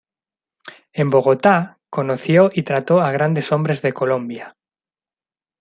En Bogotá conoció y trató a grandes hombres de Colombia.